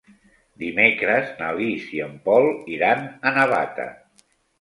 Dimecres na Lis i en Pol iran a Navata.